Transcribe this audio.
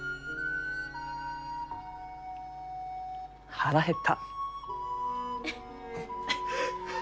腹減った。